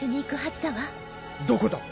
どこだ？